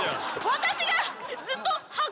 私が。